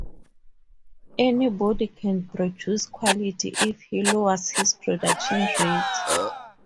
Anybody can produce quality if he lowers his production rate.